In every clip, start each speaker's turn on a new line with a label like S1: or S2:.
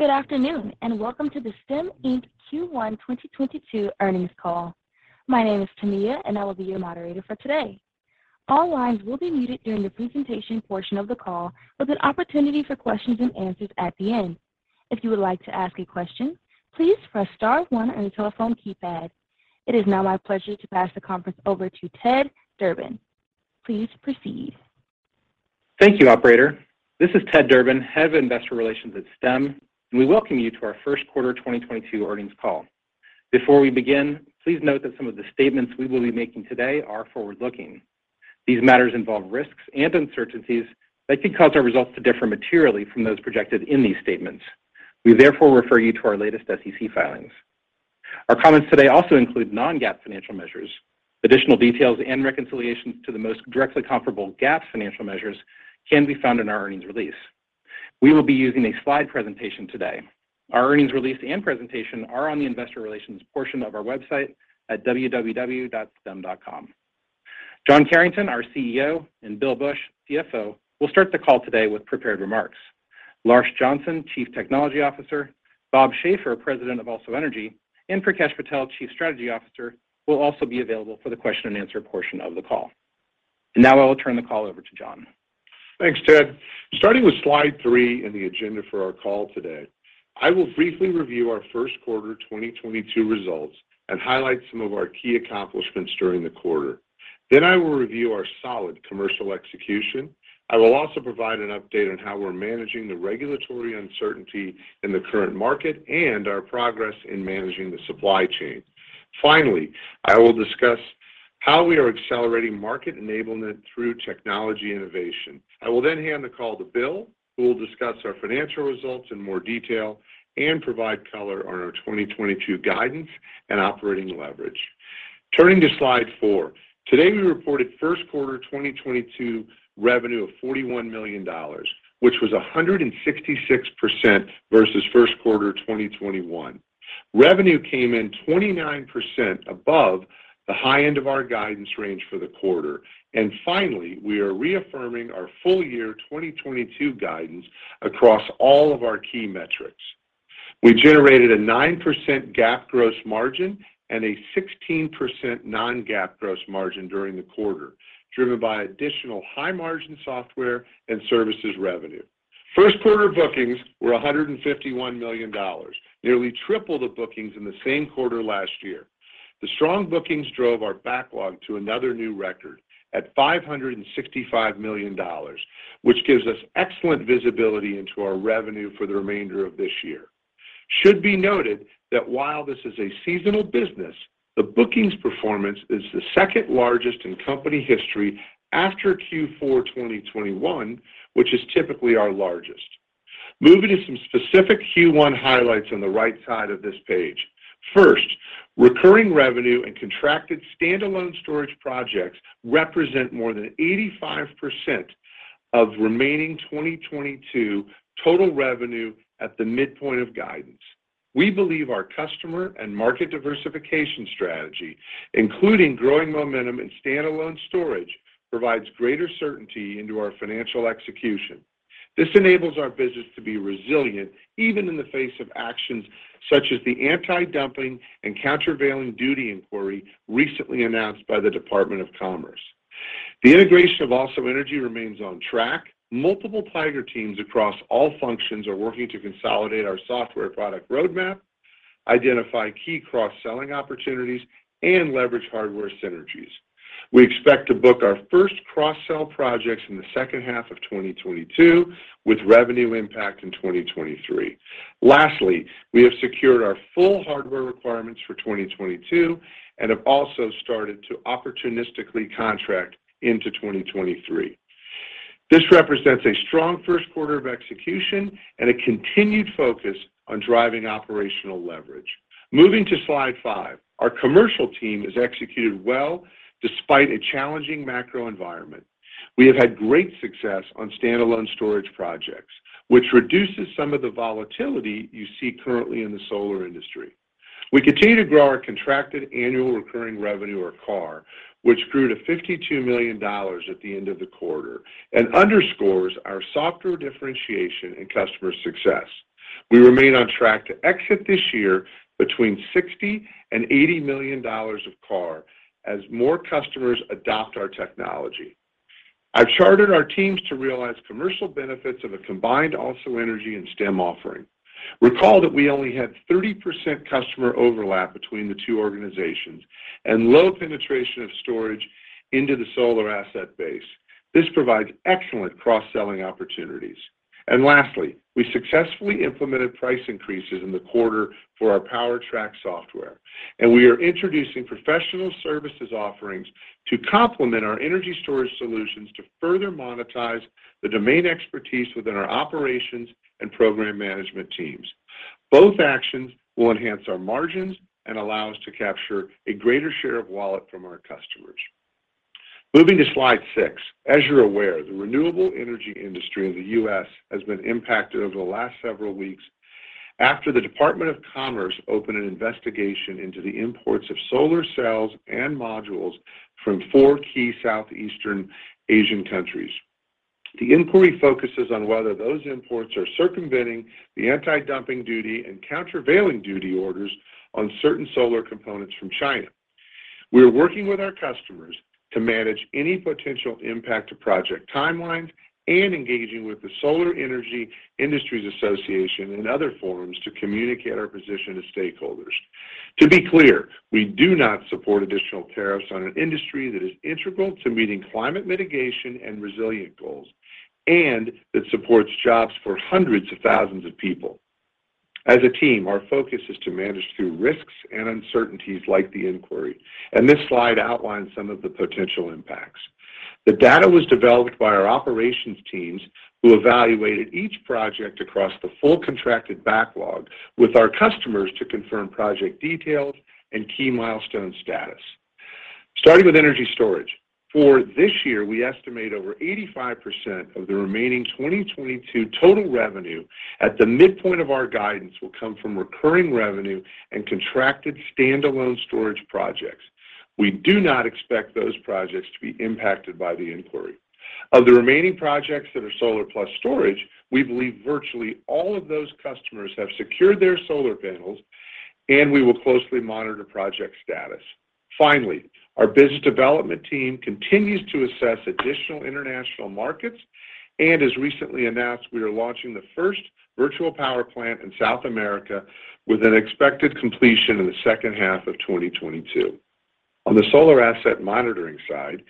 S1: Good afternoon, and welcome to the Stem, Inc. Q1 2022 earnings call. My name is Tamia, and I will be your moderator for today. All lines will be muted during the presentation portion of the call with an opportunity for questions and answers at the end. If you would like to ask a question, please press star one on your telephone keypad. It is now my pleasure to pass the conference over to Ted Durbin. Please proceed.
S2: Thank you, operator. This is Ted Durbin, Head of Investor Relations at Stem, and we welcome you to our first quarter 2022 earnings call. Before we begin, please note that some of the statements we will be making today are forward-looking. These matters involve risks and uncertainties that could cause our results to differ materially from those projected in these statements. We therefore refer you to our latest SEC filings. Our comments today also include non-GAAP financial measures. Additional details and reconciliations to the most directly comparable GAAP financial measures can be found in our earnings release. We will be using a slide presentation today. Our earnings release and presentation are on the investor relations portion of our website at www.stem.com. John Carrington, our CEO, and Bill Bush, CFO, will start the call today with prepared remarks. Larsh Johnson, Chief Technology Officer, Bob Schaefer, President of AlsoEnergy, and Prakash Patel, Chief Strategy Officer, will also be available for the question and answer portion of the call. Now I will turn the call over to John.
S3: Thanks, Ted. Starting with slide three in the agenda for our call today, I will briefly review our first quarter 2022 results and highlight some of our key accomplishments during the quarter. I will review our solid commercial execution. I will also provide an update on how we're managing the regulatory uncertainty in the current market and our progress in managing the supply chain. I will discuss how we are accelerating market enablement through technology innovation. I will then hand the call to Bill, who will discuss our financial results in more detail and provide color on our 2022 guidance and operating leverage. Turning to slide four. Today, we reported first quarter 2022 revenue of $41 million, which was 166% versus first quarter 2021. Revenue came in 29% above the high end of our guidance range for the quarter. Finally, we are reaffirming our full year 2022 guidance across all of our key metrics. We generated a 9% GAAP gross margin and a 16% non-GAAP gross margin during the quarter, driven by additional high-margin software and services revenue. First quarter bookings were $151 million, nearly triple the bookings in the same quarter last year. The strong bookings drove our backlog to another new record at $565 million, which gives us excellent visibility into our revenue for the remainder of this year. Should be noted that while this is a seasonal business, the bookings performance is the second largest in company history after Q4 2021, which is typically our largest. Moving to some specific Q1 highlights on the right side of this page. First, recurring revenue and contracted standalone storage projects represent more than 85% of remaining 2022 total revenue at the midpoint of guidance. We believe our customer and market diversification strategy, including growing momentum in standalone storage, provides greater certainty into our financial execution. This enables our business to be resilient even in the face of actions such as the antidumping and countervailing duty inquiry recently announced by the U.S. Department of Commerce. The integration of AlsoEnergy remains on track. Multiple tiger teams across all functions are working to consolidate our software product roadmap, identify key cross-selling opportunities, and leverage hardware synergies. We expect to book our first cross-sell projects in the second half of 2022, with revenue impact in 2023. Lastly, we have secured our full hardware requirements for 2022 and have also started to opportunistically contract into 2023. This represents a strong first quarter of execution and a continued focus on driving operational leverage. Moving to slide 5. Our commercial team has executed well despite a challenging macro environment. We have had great success on standalone storage projects, which reduces some of the volatility you see currently in the solar industry. We continue to grow our contracted annual recurring revenue or CARR, which grew to $52 million at the end of the quarter and underscores our software differentiation and customer success. We remain on track to exit this year between $60 million and $80 million of CARR as more customers adopt our technology. I've chartered our teams to realize commercial benefits of a combined AlsoEnergy and Stem offering. Recall that we only had 30% customer overlap between the two organizations and low penetration of storage into the solar asset base. This provides excellent cross-selling opportunities. Lastly, we successfully implemented price increases in the quarter for our PowerTrack software, and we are introducing professional services offerings to complement our energy storage solutions to further monetize the domain expertise within our operations and program management teams. Both actions will enhance our margins and allow us to capture a greater share of wallet from our customers. Moving to slide 6. As you're aware, the renewable energy industry in the U.S. has been impacted over the last several weeks after the U.S. Department of Commerce opened an investigation into the imports of solar cells and modules from four key Southeast Asian countries. The inquiry focuses on whether those imports are circumventing the antidumping duty and countervailing duty orders on certain solar components from China. We are working with our customers to manage any potential impact to project timelines and engaging with the Solar Energy Industries Association and other forums to communicate our position to stakeholders. To be clear, we do not support additional tariffs on an industry that is integral to meeting climate mitigation and resilient goals, and that supports jobs for hundreds of thousands of people. As a team, our focus is to manage through risks and uncertainties like the inquiry, and this slide outlines some of the potential impacts. The data was developed by our operations teams who evaluated each project across the full contracted backlog with our customers to confirm project details and key milestone status. Starting with energy storage. For this year, we estimate over 85% of the remaining 2022 total revenue at the midpoint of our guidance will come from recurring revenue and contracted standalone storage projects. We do not expect those projects to be impacted by the inquiry. Of the remaining projects that are solar plus storage, we believe virtually all of those customers have secured their solar panels, and we will closely monitor project status. Finally, our business development team continues to assess additional international markets, and as recently announced, we are launching the first virtual power plant in South America with an expected completion in the second half of 2022. On the solar asset monitoring side,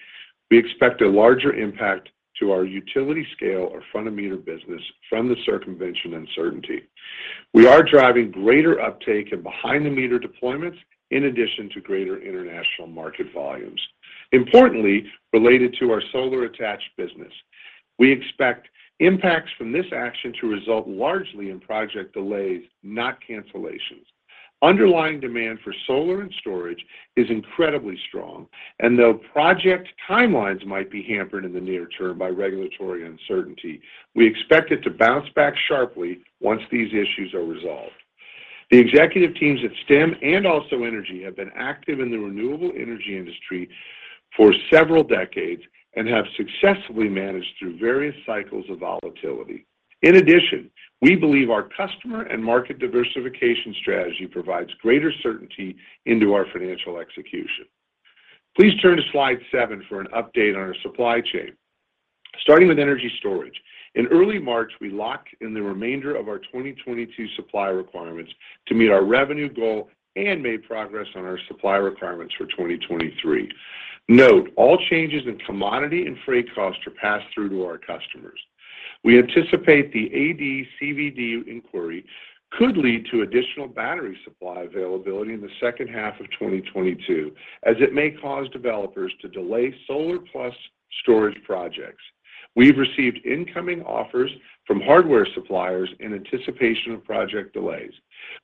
S3: we expect a larger impact to our utility scale or front-of-meter business from the circumvention uncertainty. We are driving greater uptake in behind-the-meter deployments in addition to greater international market volumes. Importantly, related to our solar attached business, we expect impacts from this action to result largely in project delays, not cancellations. Underlying demand for solar and storage is incredibly strong, and though project timelines might be hampered in the near term by regulatory uncertainty, we expect it to bounce back sharply once these issues are resolved. The executive teams at Stem and AlsoEnergy have been active in the renewable energy industry for several decades and have successfully managed through various cycles of volatility. In addition, we believe our customer and market diversification strategy provides greater certainty into our financial execution. Please turn to slide seven for an update on our supply chain. Starting with energy storage. In early March, we locked in the remainder of our 2022 supply requirements to meet our revenue goal and made progress on our supply requirements for 2023. Note, all changes in commodity and freight costs are passed through to our customers. We anticipate the AD/CVD inquiry could lead to additional battery supply availability in the second half of 2022, as it may cause developers to delay solar plus storage projects. We've received incoming offers from hardware suppliers in anticipation of project delays.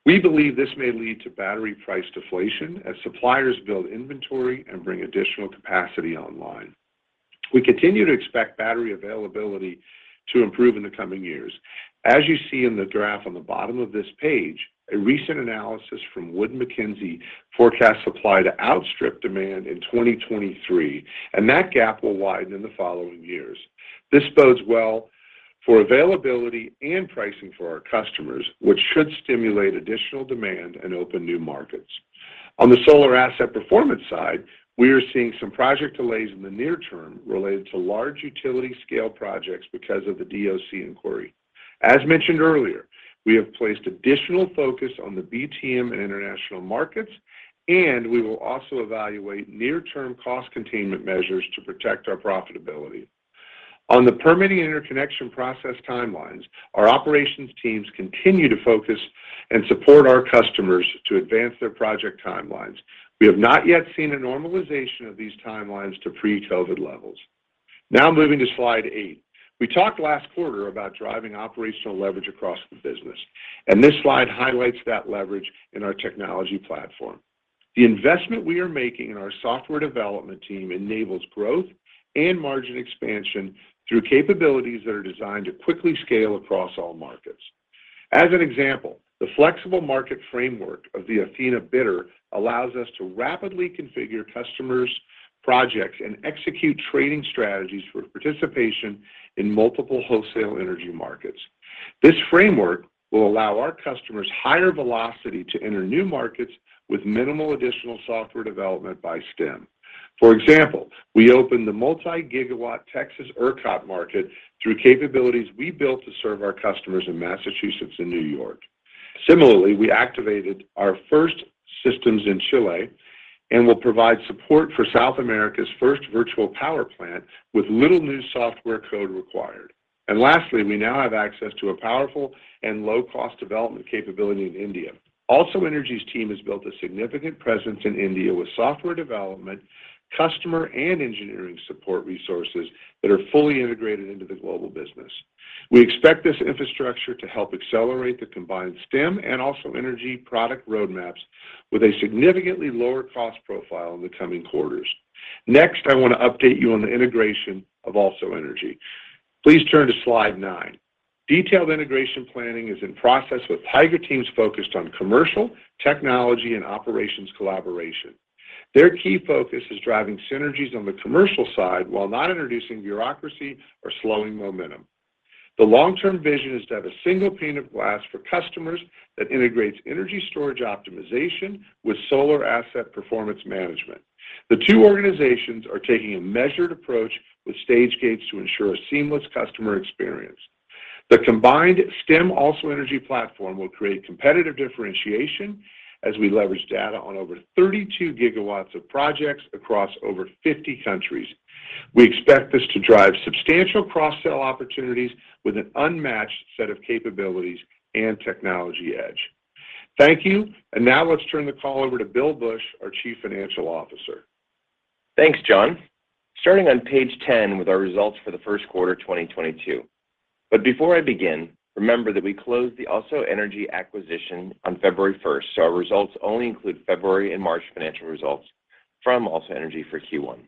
S3: We believe this may lead to battery price deflation as suppliers build inventory and bring additional capacity online. We continue to expect battery availability to improve in the coming years. As you see in the graph on the bottom of this page, a recent analysis from Wood Mackenzie forecasts supply to outstrip demand in 2023, and that gap will widen in the following years. This bodes well for availability and pricing for our customers, which should stimulate additional demand and open new markets. On the solar asset performance side, we are seeing some project delays in the near term related to large utility scale projects because of the DOC inquiry. As mentioned earlier, we have placed additional focus on the BTM and international markets, and we will also evaluate near-term cost containment measures to protect our profitability. On the permitting interconnection process timelines, our operations teams continue to focus and support our customers to advance their project timelines. We have not yet seen a normalization of these timelines to pre-COVID levels. Now moving to slide 8. We talked last quarter about driving operational leverage across the business, and this slide highlights that leverage in our technology platform. The investment we are making in our software development team enables growth and margin expansion through capabilities that are designed to quickly scale across all markets. As an example, the flexible market framework of the Athena bidder allows us to rapidly configure customers' projects and execute trading strategies for participation in multiple wholesale energy markets. This framework will allow our customers higher velocity to enter new markets with minimal additional software development by Stem. For example, we opened the multi-gigawatt Texas ERCOT market through capabilities we built to serve our customers in Massachusetts and New York. Similarly, we activated our first systems in Chile and will provide support for South America's first virtual power plant with little new software code required. Lastly, we now have access to a powerful and low-cost development capability in India. AlsoEnergy's team has built a significant presence in India with software development, customer, and engineering support resources that are fully integrated into the global business. We expect this infrastructure to help accelerate the combined Stem and AlsoEnergy product roadmaps with a significantly lower cost profile in the coming quarters. Next, I want to update you on the integration of AlsoEnergy. Please turn to slide nine. Detailed integration planning is in process with tiger teams focused on commercial, technology, and operations collaboration. Their key focus is driving synergies on the commercial side while not introducing bureaucracy or slowing momentum. The long-term vision is to have a single pane of glass for customers that integrates energy storage optimization with solar asset performance management. The two organizations are taking a measured approach with stage gates to ensure a seamless customer experience. The combined Stem AlsoEnergy platform will create competitive differentiation as we leverage data on over 32 gigawatts of projects across over 50 countries. We expect this to drive substantial cross-sell opportunities with an unmatched set of capabilities and technology edge. Thank you. Now let's turn the call over to Bill Bush, our Chief Financial Officer.
S4: Thanks, John. Starting on page 10 with our results for the first quarter, 2022. Before I begin, remember that we closed the AlsoEnergy acquisition on February first, so our results only include February and March financial results from AlsoEnergy for Q1.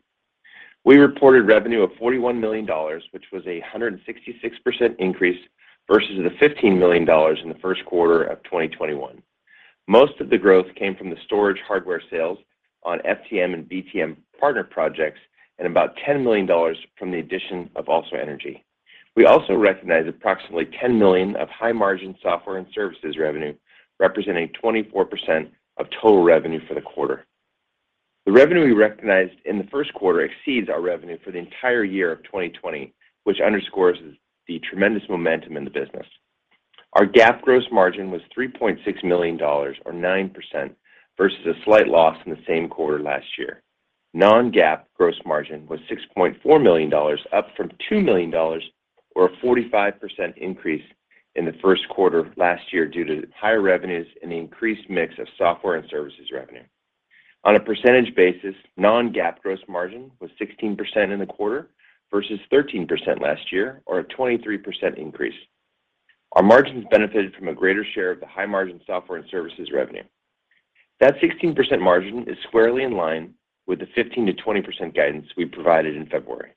S4: We reported revenue of $41 million, which was a 166% increase versus the $15 million in the first quarter of 2021. Most of the growth came from the storage hardware sales on FTM and BTM partner projects and about $10 million from the addition of AlsoEnergy. We also recognized approximately $10 million of high-margin software and services revenue, representing 24% of total revenue for the quarter. The revenue we recognized in the first quarter exceeds our revenue for the entire year of 2020, which underscores the tremendous momentum in the business. Our GAAP gross margin was $3.6 million or 9% versus a slight loss in the same quarter last year. Non-GAAP gross margin was $6.4 million, up from $2 million or a 45% increase in the first quarter of last year due to higher revenues and the increased mix of software and services revenue. On a percentage basis, non-GAAP gross margin was 16% in the quarter versus 13% last year or a 23% increase. Our margins benefited from a greater share of the high-margin software and services revenue. That 16% margin is squarely in line with the 15%-20% guidance we provided in February.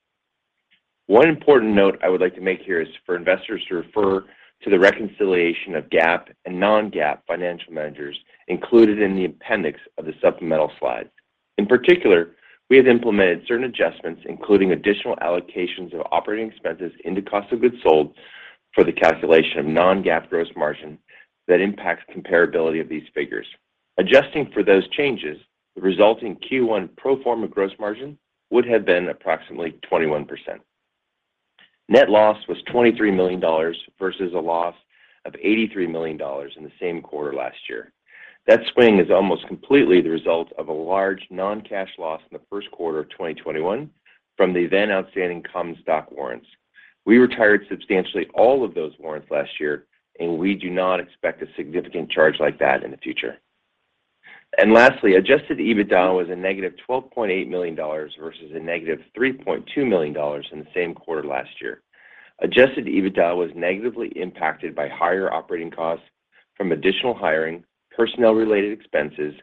S4: One important note I would like to make here is for investors to refer to the reconciliation of GAAP and non-GAAP financial measures included in the appendix of the supplemental slides. In particular, we have implemented certain adjustments, including additional allocations of operating expenses in the cost of goods sold for the calculation of non-GAAP gross margin that impacts comparability of these figures. Adjusting for those changes, the resulting Q1 pro forma gross margin would have been approximately 21%. Net loss was $23 million versus a loss of $83 million in the same quarter last year. That swing is almost completely the result of a large non-cash loss in the first quarter of 2021 from the then outstanding common stock warrants. We retired substantially all of those warrants last year, and we do not expect a significant charge like that in the future. Lastly, adjusted EBITDA was a -$12.8 million versus a -$3.2 million in the same quarter last year. Adjusted EBITDA was negatively impacted by higher operating costs from additional hiring, personnel-related expenses,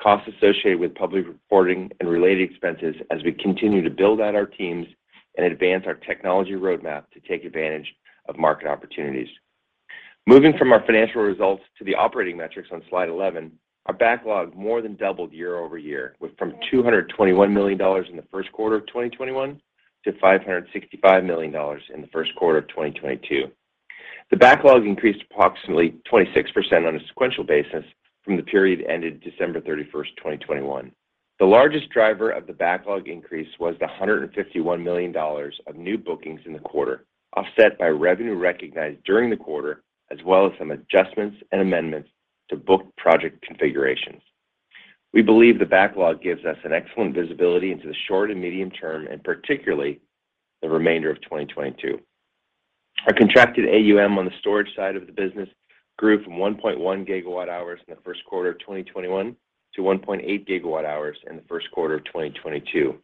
S4: costs associated with public reporting and related expenses as we continue to build out our teams and advance our technology roadmap to take advantage of market opportunities. Moving from our financial results to the operating metrics on Slide 11, our backlog more than doubled year-over-year, went from $221 million in the first quarter of 2021 to $565 million in the first quarter of 2022. The backlog increased approximately 26% on a sequential basis from the period ended December 31, 2021. The largest driver of the backlog increase was the $151 million of new bookings in the quarter, offset by revenue recognized during the quarter, as well as some adjustments and amendments to book project configurations. We believe the backlog gives us an excellent visibility into the short and medium term, and particularly the remainder of 2022. Our contracted AUM on the storage side of the business grew from 1.1 GWh in the first quarter of 2021 to 1.8 GWh in the first quarter of 2022.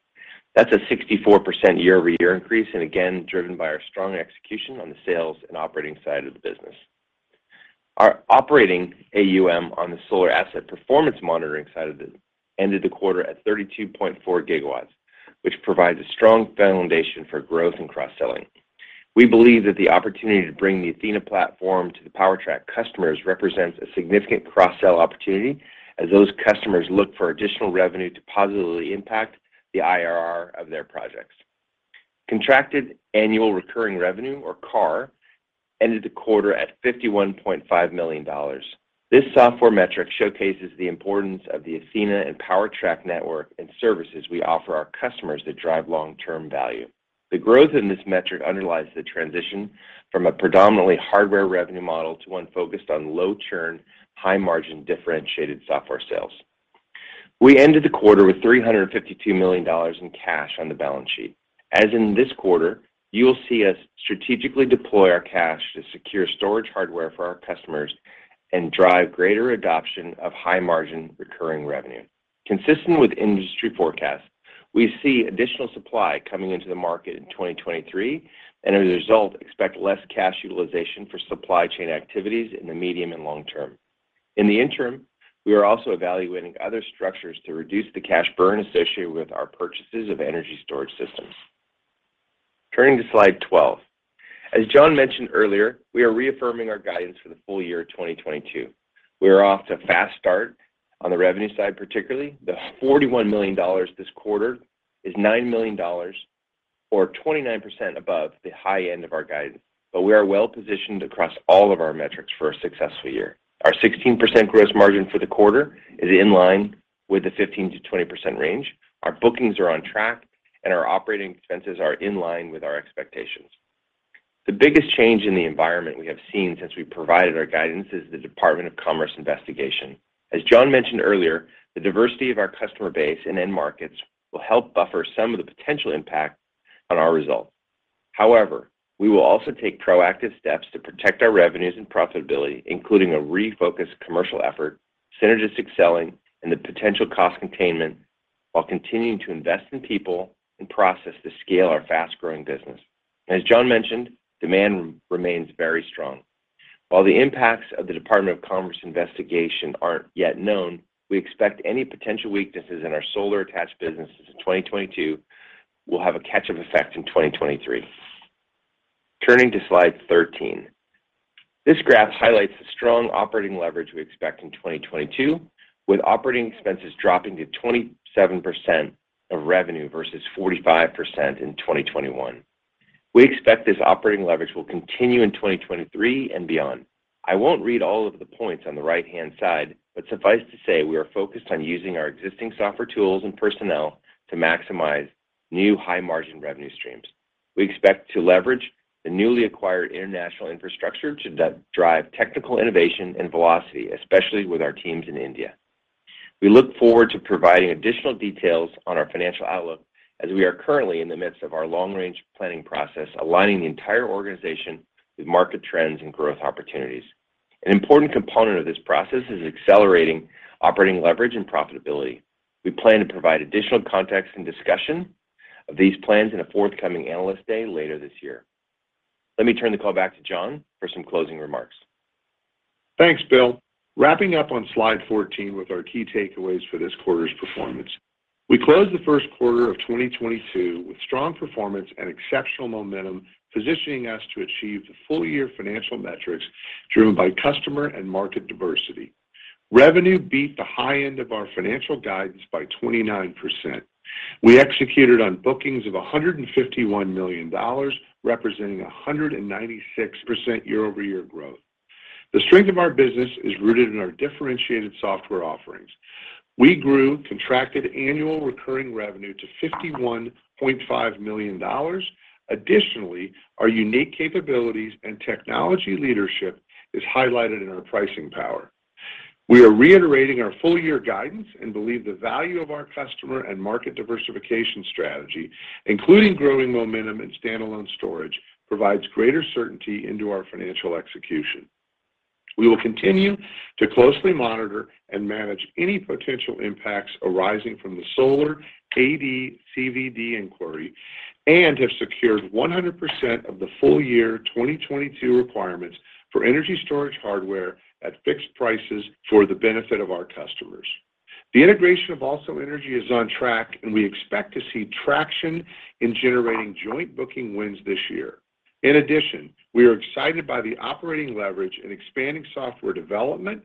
S4: That's a 64% year-over-year increase and again, driven by our strong execution on the sales and operating side of the business. Our operating AUM on the solar asset performance monitoring side ended the quarter at 32.4 GW, which provides a strong foundation for growth and cross-selling. We believe that the opportunity to bring the Athena platform to the PowerTrack customers represents a significant cross-sell opportunity as those customers look for additional revenue to positively impact the IRR of their projects. Contracted annual recurring revenue or CAR ended the quarter at $51.5 million. This software metric showcases the importance of the Athena and PowerTrack network and services we offer our customers that drive long-term value. The growth in this metric underlies the transition from a predominantly hardware revenue model to one focused on low churn, high margin, differentiated software sales. We ended the quarter with $352 million in cash on the balance sheet. As in this quarter, you will see us strategically deploy our cash to secure storage hardware for our customers and drive greater adoption of high-margin recurring revenue. Consistent with industry forecasts, we see additional supply coming into the market in 2023 and as a result, expect less cash utilization for supply chain activities in the medium and long term. In the interim, we are also evaluating other structures to reduce the cash burn associated with our purchases of energy storage systems. Turning to Slide 12. As John mentioned earlier, we are reaffirming our guidance for the full year of 2022. We are off to a fast start on the revenue side, particularly. The $41 million this quarter is $9 million or 29% above the high end of our guidance. We are well positioned across all of our metrics for a successful year. Our 16% gross margin for the quarter is in line with the 15%-20% range. Our bookings are on track and our operating expenses are in line with our expectations. The biggest change in the environment we have seen since we provided our guidance is the U.S. Department of Commerce investigation. As John mentioned earlier, the diversity of our customer base and end markets will help buffer some of the potential impact on our results. However, we will also take proactive steps to protect our revenues and profitability, including a refocused commercial effort, synergistic selling, and the potential cost containment while continuing to invest in people and process to scale our fast-growing business. As John mentioned, demand remains very strong. While the impacts of the Department of Commerce investigation aren't yet known, we expect any potential weaknesses in our solar attached businesses in 2022 will have a catch-up effect in 2023. Turning to slide 13. This graph highlights the strong operating leverage we expect in 2022, with operating expenses dropping to 27% of revenue versus 45% in 2021. We expect this operating leverage will continue in 2023 and beyond. I won't read all of the points on the right-hand side, but suffice to say we are focused on using our existing software tools and personnel to maximize new high-margin revenue streams. We expect to leverage the newly acquired international infrastructure to drive technical innovation and velocity, especially with our teams in India. We look forward to providing additional details on our financial outlook as we are currently in the midst of our long-range planning process, aligning the entire organization with market trends and growth opportunities. An important component of this process is accelerating operating leverage and profitability. We plan to provide additional context and discussion of these plans in a forthcoming Analyst Day later this year. Let me turn the call back to John for some closing remarks.
S3: Thanks, Bill. Wrapping up on slide 14 with our key takeaways for this quarter's performance. We closed the first quarter of 2022 with strong performance and exceptional momentum, positioning us to achieve the full-year financial metrics driven by customer and market diversity. Revenue beat the high end of our financial guidance by 29%. We executed on bookings of $151 million, representing 196% year-over-year growth. The strength of our business is rooted in our differentiated software offerings. We grew contracted annual recurring revenue to $51.5 million. Additionally, our unique capabilities and technology leadership is highlighted in our pricing power. We are reiterating our full-year guidance and believe the value of our customer and market diversification strategy, including growing momentum and standalone storage, provides greater certainty into our financial execution. We will continue to closely monitor and manage any potential impacts arising from the solar AD/CVD inquiry and have secured 100% of the full year 2022 requirements for energy storage hardware at fixed prices for the benefit of our customers. The integration of AlsoEnergy is on track, and we expect to see traction in generating joint booking wins this year. In addition, we are excited by the operating leverage in expanding software development,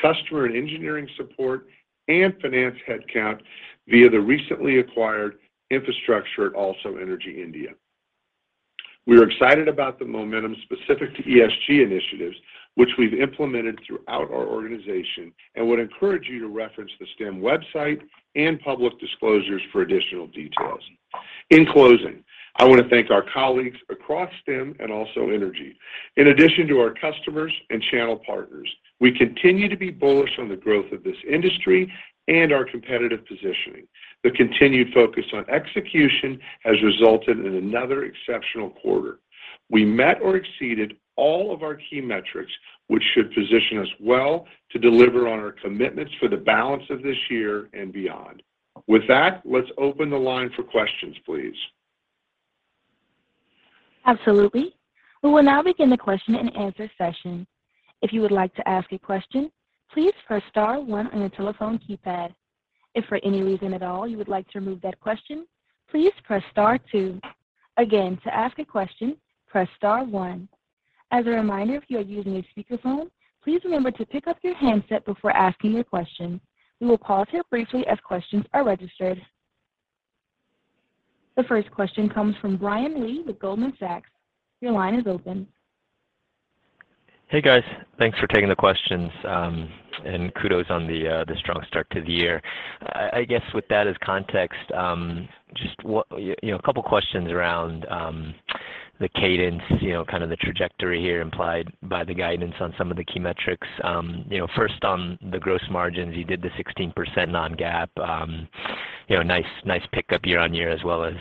S3: customer and engineering support, and finance headcount via the recently acquired infrastructure at Also Energy India. We are excited about the momentum specific to ESG initiatives, which we've implemented throughout our organization and would encourage you to reference the Stem website and public disclosures for additional details. In closing, I want to thank our colleagues across Stem and AlsoEnergy. In addition to our customers and channel partners, we continue to be bullish on the growth of this industry and our competitive positioning. The continued focus on execution has resulted in another exceptional quarter. We met or exceeded all of our key metrics, which should position us well to deliver on our commitments for the balance of this year and beyond. With that, let's open the line for questions, please.
S1: Absolutely. We will now begin the question and answer session. If you would like to ask a question, please press star one on your telephone keypad. If for any reason at all you would like to remove that question, please press star two. Again, to ask a question, press star one. As a reminder, if you are using a speakerphone, please remember to pick up your handset before asking your question. We will pause here briefly as questions are registered. The first question comes from Brian Lee with Goldman Sachs. Your line is open.
S5: Hey, guys. Thanks for taking the questions, and kudos on the strong start to the year. I guess with that as context, a couple questions around the cadence, you know, kind of the trajectory here implied by the guidance on some of the key metrics. First on the gross margins, you did the 16% non-GAAP. Nice pickup year-on-year as well as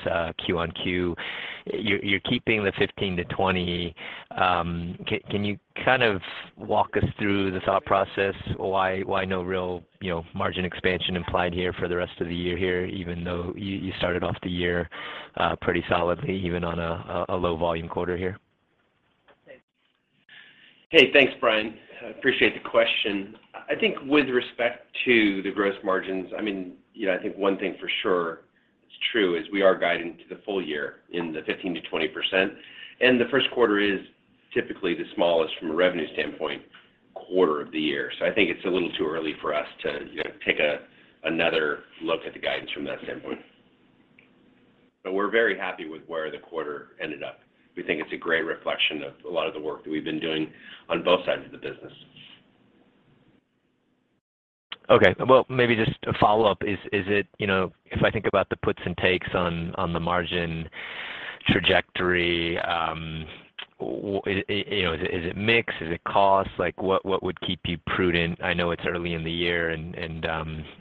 S5: Q-on-Q. You're keeping the 15%-20%. Can you kind of walk us through the thought process why no real margin expansion implied here for the rest of the year here, even though you started off the year pretty solidly even on a low volume quarter here?
S4: Hey, thanks, Brian. Appreciate the question. I think with respect to the gross margins, I mean, you know, I think one thing for sure. Truth is, we are guiding to the full year in the 15%-20%, and the first quarter is typically the smallest from a revenue standpoint quarter of the year. I think it's a little too early for us to, you know, take another look at the guidance from that standpoint. We're very happy with where the quarter ended up. We think it's a great reflection of a lot of the work that we've been doing on both sides of the business.
S5: Okay. Well, maybe just a follow-up. Is it... You know, if I think about the puts and takes on the margin trajectory, you know, is it mix? Is it cost? Like, what would keep you prudent? I know it's early in the year and,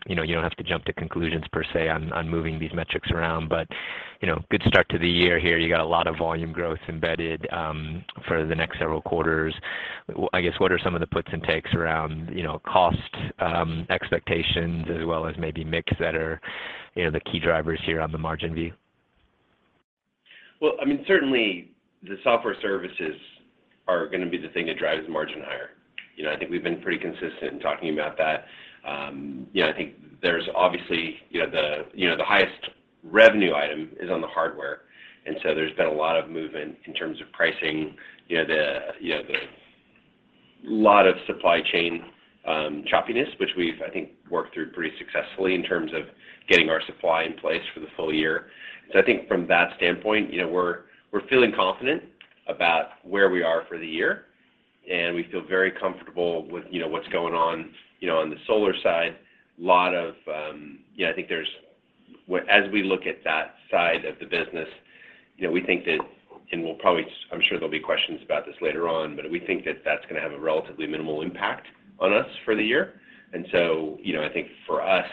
S5: you know, you don't have to jump to conclusions per se on moving these metrics around. You know, good start to the year here. You got a lot of volume growth embedded for the next several quarters. I guess, what are some of the puts and takes around, you know, cost expectations as well as maybe mix that are, you know, the key drivers here on the margin view?
S4: Well, I mean, certainly the software services are gonna be the thing that drives margin higher. You know, I think we've been pretty consistent in talking about that. You know, I think there's obviously the highest revenue item is on the hardware, and so there's been a lot of movement in terms of pricing. You know, a lot of supply chain choppiness, which we've, I think, worked through pretty successfully in terms of getting our supply in place for the full year. I think from that standpoint, you know, we're feeling confident about where we are for the year, and we feel very comfortable with what's going on on the solar side. You know, I think as we look at that side of the business, you know, we think that, I'm sure there'll be questions about this later on, but we think that that's gonna have a relatively minimal impact on us for the year. You know, I think for us,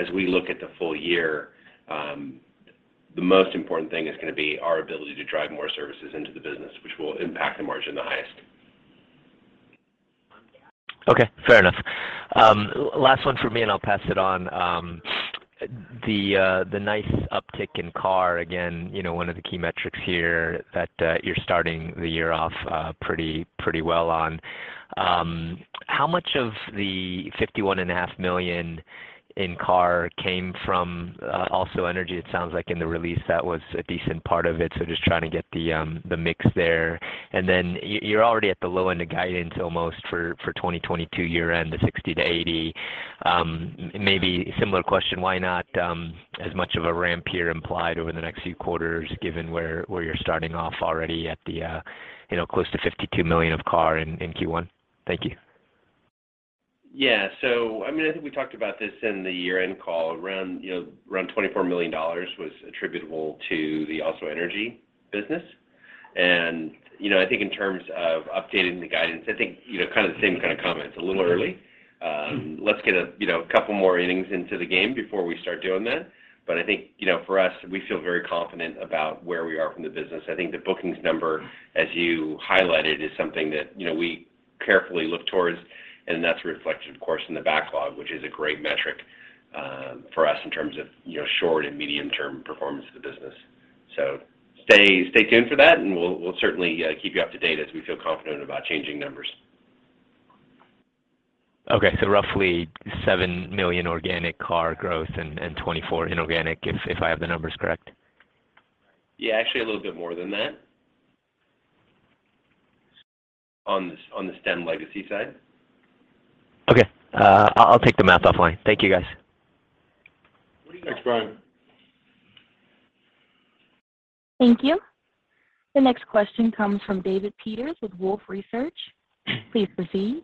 S4: as we look at the full year, the most important thing is gonna be our ability to drive more services into the business, which will impact the margin the highest.
S5: Okay, fair enough. Last one for me, and I'll pass it on. The nice uptick in CAR, again, you know, one of the key metrics here that you're starting the year off pretty well on. How much of the $51.5 million in CAR came from AlsoEnergy? It sounds like in the release that was a decent part of it, so just trying to get the mix there. You're already at the low end of guidance almost for 2022 year end, the $60-$80 million. Maybe a similar question, why not as much of a ramp here implied over the next few quarters given where you're starting off already at the, you know, close to $52 million of CAR in Q1? Thank you.
S4: I mean, I think we talked about this in the year-end call. Around, you know, $24 million was attributable to the AlsoEnergy business. I think in terms of updating the guidance, I think, you know, kind of the same kind of comments. A little early. Let's get a, you know, couple more innings into the game before we start doing that. I think, you know, for us, we feel very confident about where we are from the business. I think the bookings number, as you highlighted, is something that, you know, we carefully look towards, and that's reflected, of course, in the backlog, which is a great metric for us in terms of, you know, short and medium term performance of the business. Stay tuned for that, and we'll certainly keep you up to date as we feel confident about changing numbers.
S5: Okay. Roughly $7 million organic CARR growth and $24 million inorganic, if I have the numbers correct.
S4: Yeah. Actually, a little bit more than that on the Stem legacy side.
S5: Okay. I'll take the math offline. Thank you, guys.
S4: Thanks, Brian.
S1: Thank you. The next question comes from David Peters with Wolfe Research. Please proceed.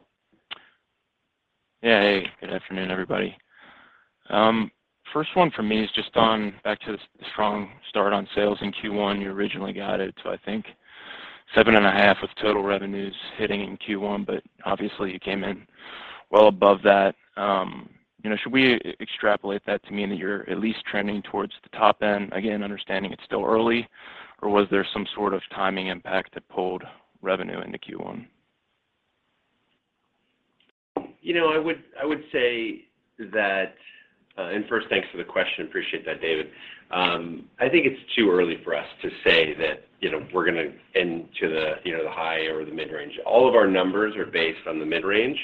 S6: Yeah. Hey, good afternoon, everybody. First one for me is just on back to the strong start on sales in Q1. You originally guided to, I think, 7.5% of total revenues hitting in Q1, but obviously you came in well above that. You know, should we extrapolate that to mean that you're at least trending towards the top end? Again, understanding it's still early, or was there some sort of timing impact that pulled revenue into Q1?
S4: You know, I would say that first, thanks for the question. Appreciate that, David. I think it's too early for us to say that, you know, we're gonna end up at the high end or the mid-range. All of our numbers are based on the mid-range.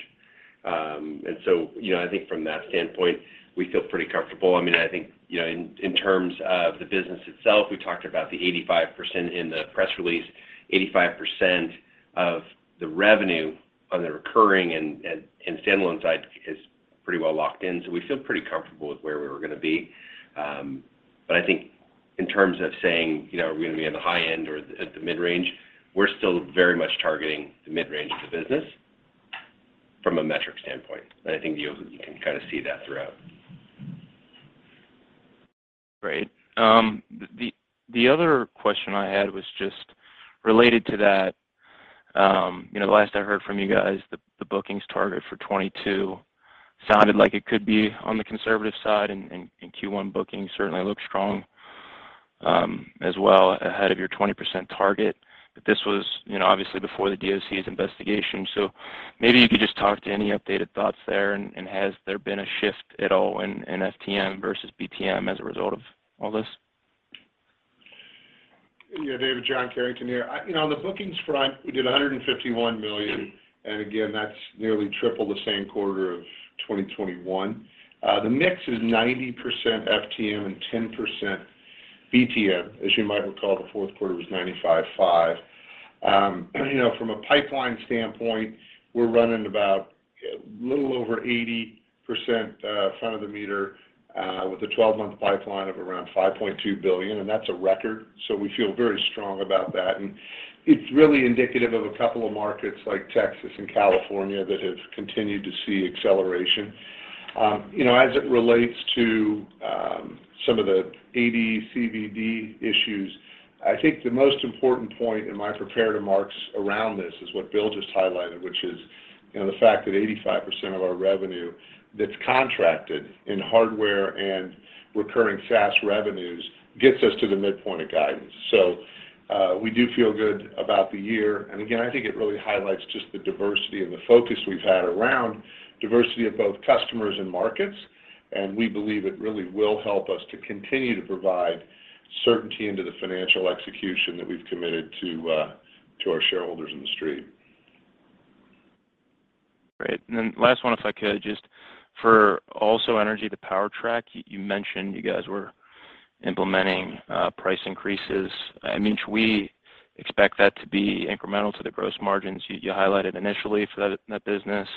S4: You know, I think from that standpoint, we feel pretty comfortable. I mean, I think, you know, in terms of the business itself, we talked about the 85% in the press release. 85% of the revenue on the recurring and stand-alone side is pretty well locked in, so we feel pretty comfortable with where we were gonna be. I think in terms of saying, you know, are we gonna be on the high end or at the mid-range, we're still very much targeting the mid-range of the business from a metric standpoint, and I think you can kind of see that throughout.
S6: Great. The other question I had was just related to that. You know, the last I heard from you guys, the bookings target for 2022 sounded like it could be on the conservative side, and Q1 bookings certainly look strong, as well ahead of your 20% target. This was, you know, obviously before the DOC's investigation. Maybe you could just talk to any updated thoughts there, and has there been a shift at all in FTM versus BTM as a result of all this?
S3: Yeah, David, John Carrington here. You know, on the bookings front, we did $151 million, and again, that's nearly triple the same quarter of 2021. The mix is 90% FTM and 10% BTM. As you might recall, the fourth quarter was 95%-5%. You know, from a pipeline standpoint, we're running about a little over 80%, front of the meter, with a twelve-month pipeline of around $5.2 billion, and that's a record. We feel very strong about that, and it's really indicative of a couple of markets like Texas and California that have continued to see acceleration. You know, as it relates to some of the AD/CVD issues, I think the most important point in my prepared remarks around this is what Bill just highlighted, which is, you know, the fact that 85% of our revenue that's contracted in hardware and recurring SaaS revenues gets us to the midpoint of guidance. We do feel good about the year. Again, I think it really highlights just the diversity and the focus we've had around diversity of both customers and markets. We believe it really will help us to continue to provide certainty into the financial execution that we've committed to our shareholders in the street.
S6: Great. Then last one, if I could, just for AlsoEnergy to PowerTrack, you mentioned you guys were implementing price increases. I mean, should we expect that to be incremental to the gross margins you highlighted initially for that business?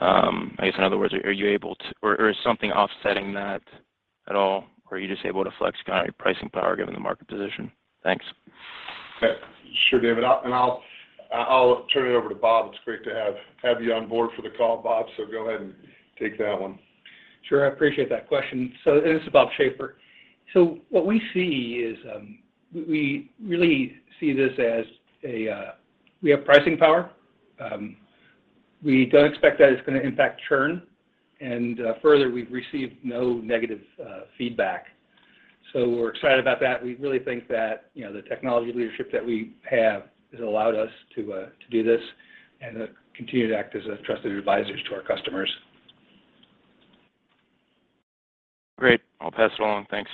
S6: I guess, in other words, are you able to or is something offsetting that at all? Or are you just able to flex pricing power given the market position? Thanks.
S3: Sure, David. I'll turn it over to Bob. It's great to have you on board for the call, Bob. Go ahead and take that one.
S7: Sure. I appreciate that question. This is Bob Schaefer. What we see is, we have pricing power. We don't expect that it's gonna impact churn. Further, we've received no negative feedback. We're excited about that. We really think that, you know, the technology leadership that we have has allowed us to do this and to continue to act as trusted advisors to our customers.
S6: Great. I'll pass it along. Thanks.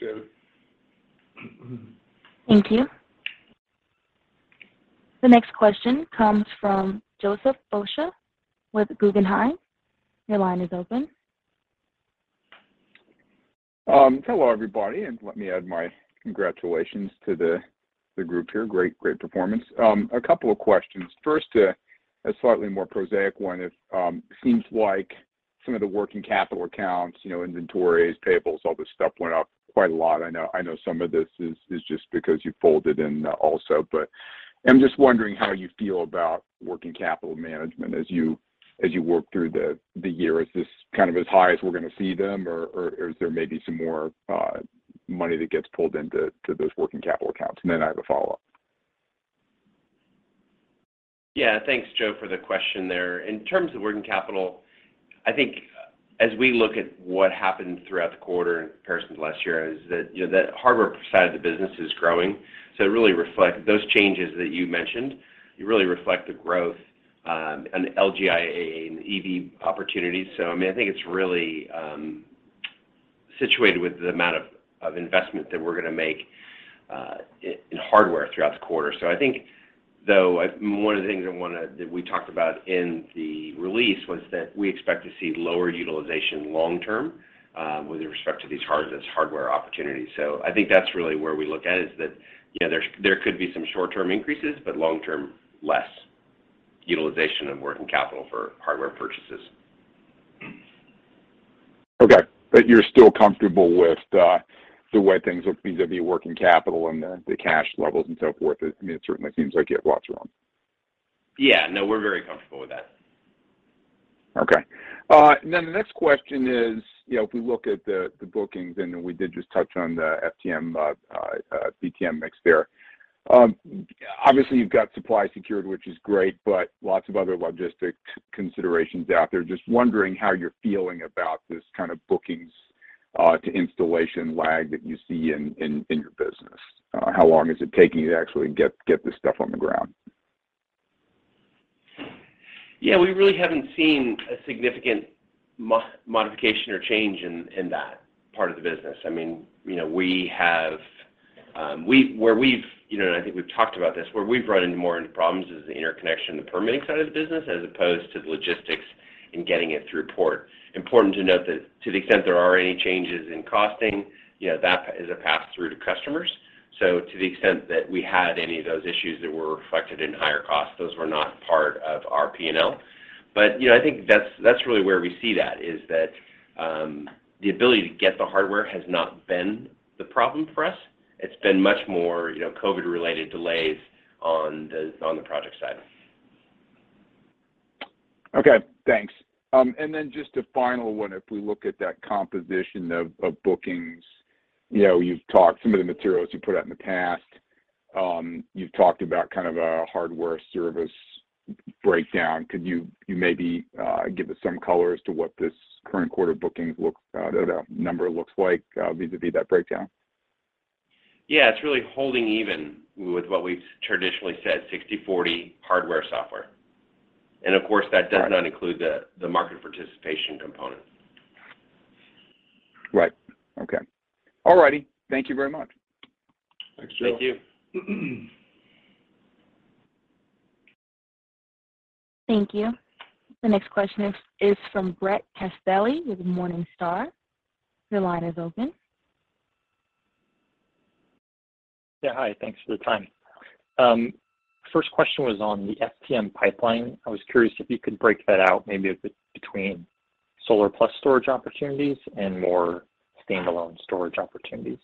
S3: Thanks, David.
S1: Thank you. The next question comes from Joseph Osha with Guggenheim. Your line is open.
S8: Hello, everybody, let me add my congratulations to the group here. Great performance. A couple of questions. First, a slightly more prosaic one. It seems like some of the working capital accounts, you know, inventories, payables, all this stuff went up quite a lot. I know some of this is just because you folded in Also. I'm just wondering how you feel about working capital management as you work through the year. Is this kind of as high as we're gonna see them, or is there maybe some more money that gets pulled into those working capital accounts? Then I have a follow-up.
S3: Yeah. Thanks, Joe, for the question there. In terms of working capital, I think as we look at what happened throughout the quarter in comparison to last year is that that hardware side of the business is growing. It really reflect those changes that you mentioned. You really reflect the growth and uncertain and EV opportunities. I mean, I think it's really situated with the amount of investment that we're gonna make in hardware throughout the quarter. I think, though, one of the things that we talked about in the release was that we expect to see lower utilization long term with respect to those hardware opportunities. I think that's really where we look at is that, you know, there could be some short-term increases, but long term, less utilization of working capital for hardware purchases.
S8: Okay. You're still comfortable with the way things look vis-à-vis working capital and the cash levels and so forth. I mean, it certainly seems like you have lots around.
S3: Yeah. No, we're very comfortable with that.
S8: The next question is, you know, if we look at the bookings, and we did just touch on the FTM, BTM mix there. Obviously, you've got supply secured, which is great, but lots of other logistic considerations out there. Just wondering how you're feeling about this kind of bookings to installation lag that you see in your business. How long is it taking you to actually get this stuff on the ground?
S3: Yeah, we really haven't seen a significant modification or change in that part of the business. I mean, you know, we have where we've run into more problems is the interconnection and the permitting side of the business as opposed to the logistics in getting it through port. Important to note that to the extent there are any changes in costing, you know, that is a pass through to customers. To the extent that we had any of those issues that were reflected in higher costs, those were not part of our P&L. You know, I think that's really where we see that, is that the ability to get the hardware has not been the problem for us. It's been much more, you know, COVID-related delays on the project side.
S8: Okay. Thanks. Just a final one. If we look at that composition of bookings, you know, you've talked some of the materials you put out in the past. You've talked about kind of a hardware service breakdown. Could you maybe give us some color as to what this current quarter bookings, the number looks like, vis-à-vis that breakdown?
S3: Yeah, it's really holding even with what we've traditionally said, 60/40 hardware/software.
S4: Of course, that does not include the market participation component.
S8: Right. Okay. All righty. Thank you very much.
S4: Thanks, Joe.
S3: Thank you.
S1: Thank you. The next question is from Brett Castelli with Morningstar. Your line is open.
S9: Yeah. Hi. Thanks for the time. First question was on the FTM pipeline. I was curious if you could break that out maybe between solar plus storage opportunities and more standalone storage opportunities.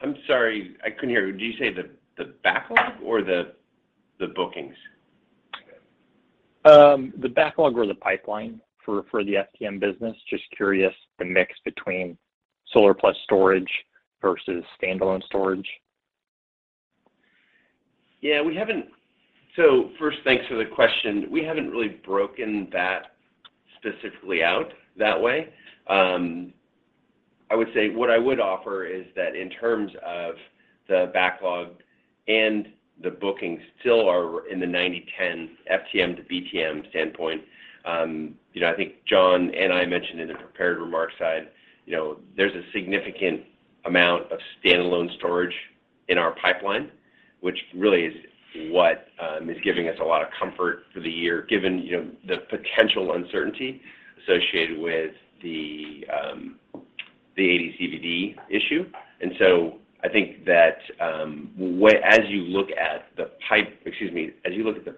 S4: I'm sorry, I couldn't hear. Did you say the backlog or the bookings?
S9: The backlog or the pipeline for the FTM business. Just curious the mix between solar plus storage versus standalone storage.
S4: Yeah. We haven't really broken that specifically out that way. First, thanks for the question. We haven't really broken that specifically out that way. I would say what I would offer is that in terms of the backlog and the bookings still are in the 90/10 FTM to BTM standpoint. You know, I think John and I mentioned in the prepared remarks side, you know, there's a significant amount of standalone storage in our pipeline, which really is what is giving us a lot of comfort for the year, given, you know, the potential uncertainty associated with the AD/CVD issue. I think that, as you look at the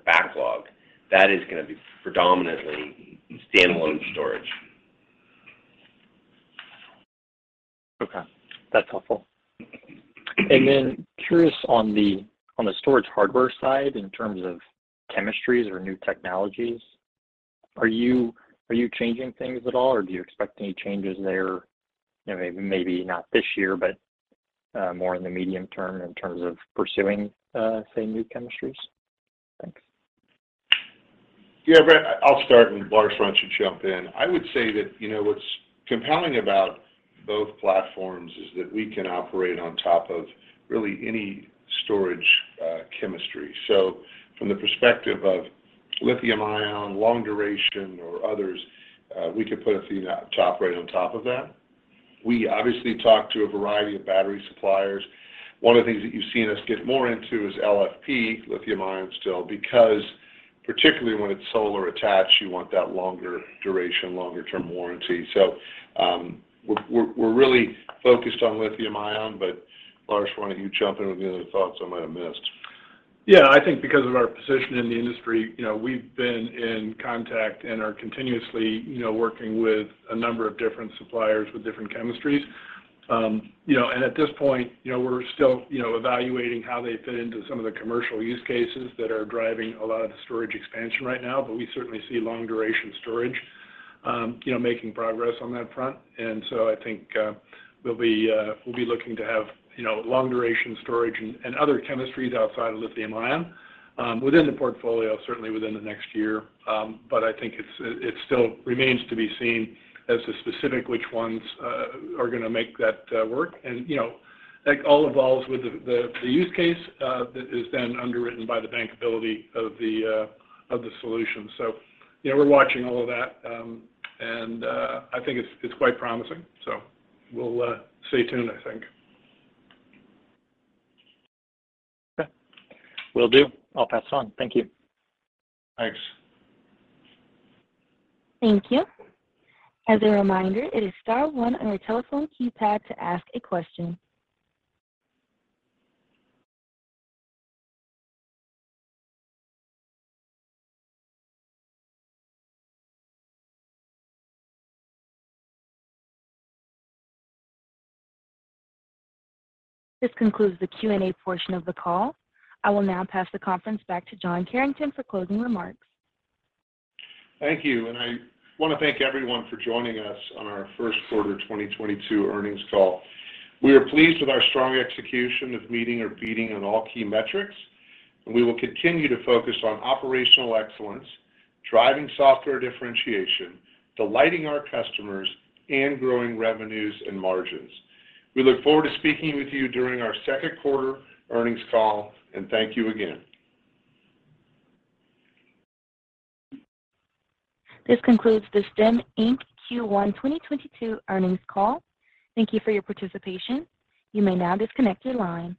S4: backlog, that is gonna be predominantly standalone storage.
S9: Okay. That's helpful. Then curious on the storage hardware side, in terms of chemistries or new technologies, are you changing things at all, or do you expect any changes there? You know, maybe not this year, but more in the medium term in terms of pursuing, say, new chemistries? Thanks.
S3: Yeah, Brett, I'll start, and Lars, why don't you jump in. I would say that, you know, what's compelling about both platforms is that we can operate on top of really any storage chemistry. So from the perspective of lithium ion, long duration, or others, we could put Athena right on top of that. We obviously talk to a variety of battery suppliers. One of the things that you've seen us get more into is LFP, lithium ion still, because particularly when it's solar attached, you want that longer duration, longer term warranty. So, we're really focused on lithium ion, but Lars, why don't you jump in with any other thoughts I might have missed?
S10: Yeah. I think because of our position in the industry, you know, we've been in contact and are continuously, you know, working with a number of different suppliers with different chemistries. You know, at this point, you know, we're still, you know, evaluating how they fit into some of the commercial use cases that are driving a lot of the storage expansion right now. We certainly see long duration storage, you know, making progress on that front. I think we'll be looking to have, you know, long duration storage and other chemistries outside of lithium ion within the portfolio, certainly within the next year. I think it's still remains to be seen as to specifically which ones are gonna make that work. You know, that all evolves with the use case that is then underwritten by the bankability of the solution. You know, we're watching all of that, and I think it's quite promising. We'll stay tuned, I think.
S9: Okay. Will do. I'll pass it on. Thank you.
S3: Thanks.
S1: Thank you. As a reminder, it is star one on your telephone keypad to ask a question. This concludes the Q&A portion of the call. I will now pass the conference back to John Carrington for closing remarks.
S3: Thank you, and I want to thank everyone for joining us on our first quarter 2022 earnings call. We are pleased with our strong execution of meeting or beating on all key metrics, and we will continue to focus on operational excellence, driving software differentiation, delighting our customers, and growing revenues and margins. We look forward to speaking with you during our second quarter earnings call, and thank you again.
S1: This concludes the Stem, Inc. Q1 2022 earnings call. Thank you for your participation. You may now disconnect your line.